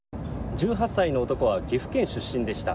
１８歳の男は岐阜県出身でした。